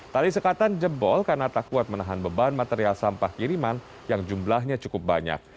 tali sekatan jebol karena tak kuat menahan beban material sampah kiriman yang jumlahnya cukup banyak